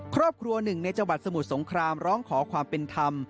ครอบครัวหนึ่งในจังหวัดสมุทรสงครามร้องขอความเป็นธรรม